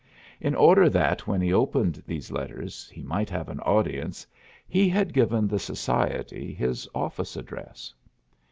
In order that when he opened these letters he might have an audience, he had given the society his office address.